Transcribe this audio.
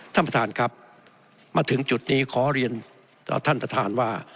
ท่านประธานครับมาถึงจุดนี้ขอเรียนต่อท่านประธานว่า